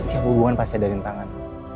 setiap hubungan pasti ada rintangan